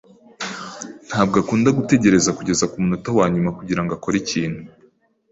ntabwo akunda gutegereza kugeza kumunota wanyuma kugirango akore ikintu.